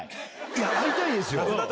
いや会いたいですよ。